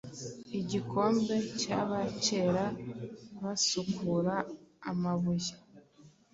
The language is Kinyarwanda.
Igikombe cyabakera basukura amabuye